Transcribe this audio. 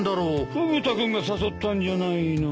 フグ田君が誘ったんじゃないのか？